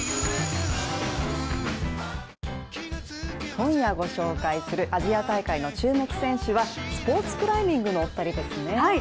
今夜ご紹介するアジア大会の注目選手はスポーツクライミングのお二人ですね。